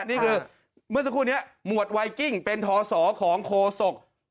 นี่คือเมื่อสักครู่นี้หมวดไวกิ้งเป็นทศของโคศก